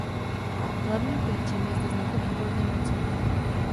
Hlavním klíčem je zde znakový kód nemoci.